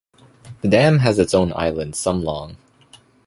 The dam has its own island some long.